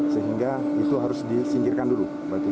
sehingga itu harus disingkirkan dulu